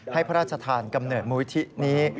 ให้พระราชธานกำเนิดมธินี้